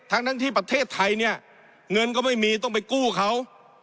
ทั้งที่ประเทศไทยเนี่ยเงินก็ไม่มีต้องไปกู้เขา